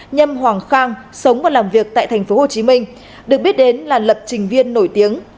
nhâm hoàng khang sống và làm việc tại tp hcm được biết đến là lập trình viên nổi tiếng